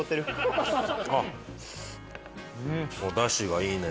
おダシがいいね。